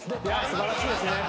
素晴らしいですね。